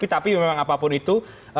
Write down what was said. tapi memang apapun itu